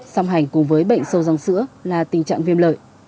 song hành cùng với bệnh sâu răng sữa là tình trạng viêm lợi